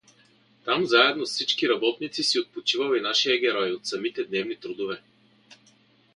Там заедно с всичките работници си отпочивал и нашият херой от самите дневни трудове.